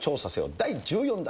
第１４弾。